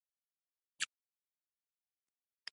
بوتل د کور پاک ساتلو سره مرسته کوي.